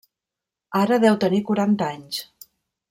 Ara deu tenir quaranta anys.